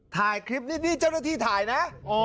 ถ่ายคลิปนี่เจ้าหน้าที่ถ่ายนะ